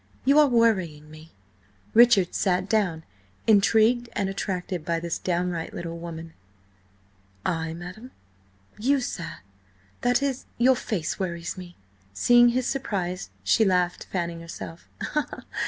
You are worrying me." Richard sat down, intrigued and attracted by this downright little woman. "I, madam?" "You, sir. That is, your face worries me." Seeing his surprise, she laughed, fanning herself.